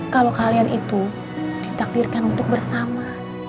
kalau kalian itu ditakdirkan untuk bersama